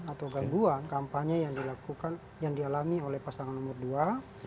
atau gangguan kampanye yang dialami oleh pasangan nomor dua